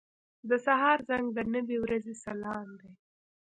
• د سهار زنګ د نوې ورځې سلام دی.